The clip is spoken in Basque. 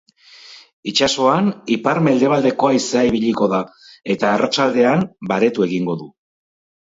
Itsasoan ipar-mendebaldeko haizea ibiliko da, eta arratsaldean baretu egingo du.